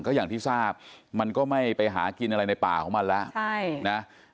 ก็อย่างที่ทราบมันก็ไม่ไปหากินอะไรในป่าของมันแล้ว